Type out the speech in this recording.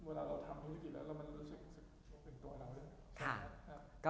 เวลาเราทำธุรกิจแล้วมันรู้สึก